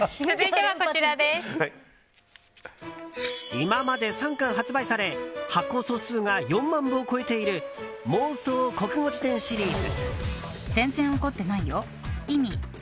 今まで３巻発売され発行総数が４万部を超えている「妄想国語辞典」シリーズ。